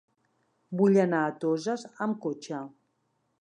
Vull anar a Toses amb cotxe.